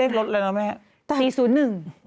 เรียบร้อยแล้วนะแม่สี่ศูนย์หนึ่ง